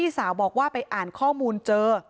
พี่สาวบอกว่าไม่ได้ไปกดยกเลิกรับสิทธิ์นี้ทำไม